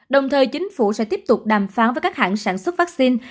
đồng thời chính phủ sẽ tiếp tục đàm phán với các hãng sản xuất vaccine